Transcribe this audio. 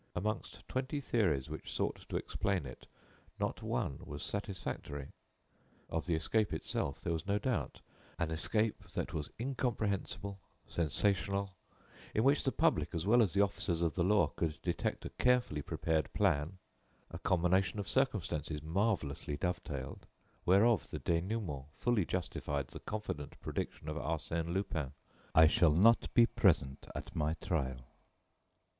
Amongst twenty theories which sought to explain it, not one was satisfactory. Of the escape itself, there was no doubt; an escape that was incomprehensible, sensational, in which the public, as well as the officers of the law, could detect a carefully prepared plan, a combination of circumstances marvelously dove tailed, whereof the dénouement fully justified the confident prediction of Arsène Lupin: "I shall not be present at my trial."